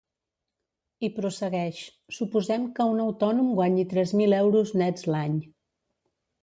I prossegueix: Suposem que un autònom guanyi tres mil euros nets l’any.